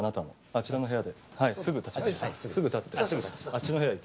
あっちの部屋で。